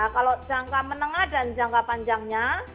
kalau jangka menengah dan jangka panjangnya